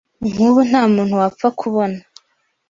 Nk’ubu nta muntu wapfa kubona